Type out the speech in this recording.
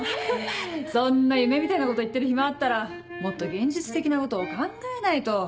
そんな夢みたいなこと言ってる暇あったらもっと現実的なことを考えないと。